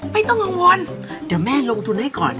ไม่ต้องกังวลเดี๋ยวแม่ลงทุนให้ก่อน